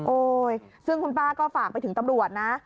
ซึ่งคุณป้าก็ฝากไปถึงตำรวจนะ